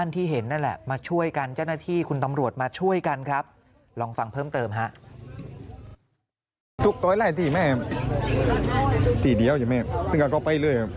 ทำรวจมาช่วยกันครับลองฟังเพิ่มเติมค่ะ